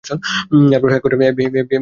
এরপর হ্যাক করেন এফবিআই-এর ডাটাবেজ।